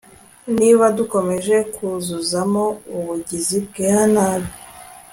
niba dukomeje kuyuzuzamo ubugizi bwa nabi